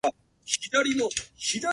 新しいノートの匂いが好きだ